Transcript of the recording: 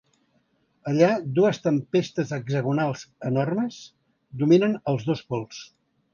Allà dues tempestes hexagonals enormes dominen els dos pols.